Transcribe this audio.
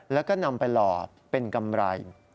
แล้วก็นำไปหล่อเป็นกำไร